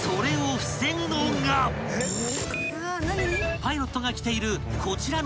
［パイロットが着ているこちらの］